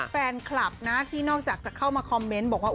แฟนคลับนะที่นอกจากจะเข้ามาคอมเมนต์บอกว่า